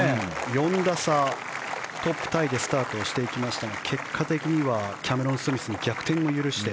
４打差トップタイでスタートしましたが結果的に、キャメロン・スミスに逆転を許して。